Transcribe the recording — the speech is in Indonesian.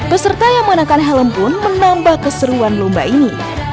peserta yang mengenakan helm pun menambah keseruan lomba ini